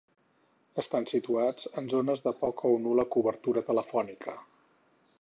Estan situats en zones de poca o nul·la cobertura telefònica.